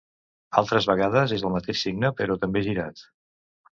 Altres vegades és el mateix signe però també girat.